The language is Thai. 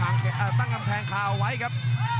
ตั้งกำแพงคาเอาไว้ครับ